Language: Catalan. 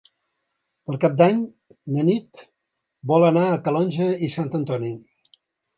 Per Cap d'Any na Nit vol anar a Calonge i Sant Antoni.